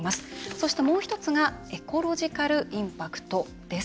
そしてもう１つがエコロジカルインパクトです。